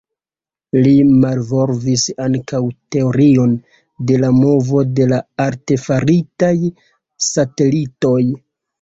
Li malvolvis ankaŭ teorion de la movo de la artefaritaj satelitoj.